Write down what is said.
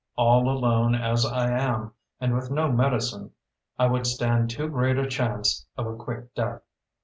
All alone as I am and with no medicine, I would stand too great a chance of a quick death.